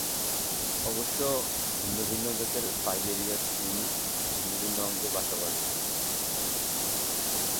অবশ্য ভিন্ন ভিন্ন জাতের ফাইলেরিয়া-কৃমি ভিন্ন ভিন্ন অঙ্গে বাসা বাঁধে।